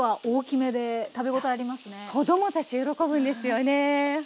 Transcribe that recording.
子供たち喜ぶんですよね。